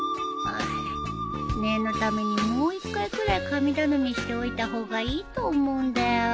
念のためにもう一回くらい神頼みしておいた方がいいと思うんだよ。